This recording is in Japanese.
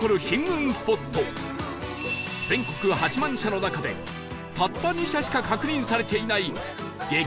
全国８万社の中でたった２社しか確認されていない激